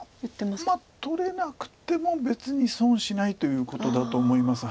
まあ取れなくても別に損しないということだと思います。